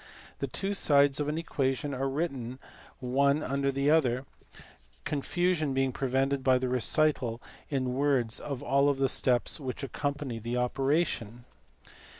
The two sides of an equation are written one under the other, 160 THE MATHEMATICS OF THE HINDOOS. confusion being prevented by the recital in words of all the steps which accompany the operation.